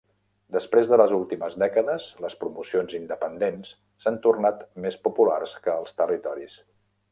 Després de les últimes dècades, les promocions independents s'han tornat més populars que els territoris.